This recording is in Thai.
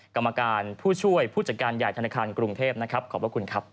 กรรมการผู้ช่วยผู้จัดการใหญ่ธนาคารกรุงเทพนะครับขอบพระคุณครับ